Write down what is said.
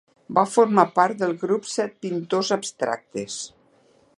Va formar part del grup Set Pintors Abstractes.